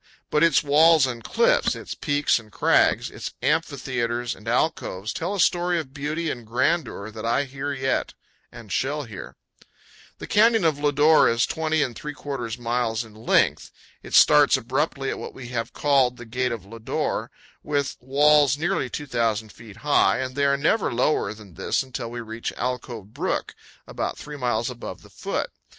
But its walls and cliffs, its peaks and crags, its amphitheaters and alcoves, tell a story of beauty and grandeur that I hear yet and shall hear. The Canyon of Lodore is 20 3/4 miles in length. It starts abruptly at what we have called the Gate of Lodore, with walls nearly 2,000 feet high, and they are never lower than this until we reach Alcove Brook, about three miles above the foot.